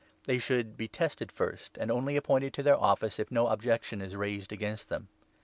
They should 10 be tested first, and only appointed to their Office if no objection is raised against them.